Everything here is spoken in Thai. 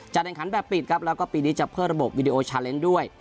แห่งขันแบบปิดครับแล้วก็ปีนี้จะเพิ่มระบบวิดีโอชาเลนส์ด้วย